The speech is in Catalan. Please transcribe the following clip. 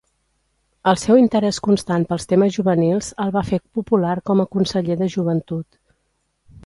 El seu interès constant pels temes juvenils el va fer popular com a conseller de joventut.